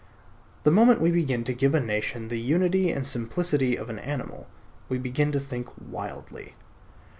The moment we begin to give a nation the unity and simplicity of an animal, we begin to think wildly.